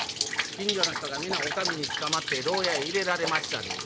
近所の人が『皆お上に捕まってろう屋へ入れられましたで』。